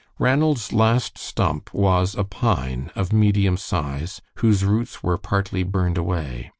Ranald's last stump was a pine of medium size, whose roots were partly burned away.